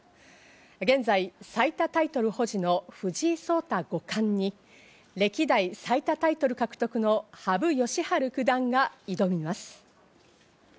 現在最多タイトル保持の藤井聡太五冠に歴代最多タイトル獲得の羽生善治九段が挑みます。